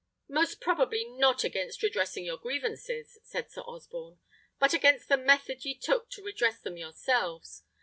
"Most probably not against redressing your grievances," said Sir Osborne, "but against the method ye took to redress them yourselves.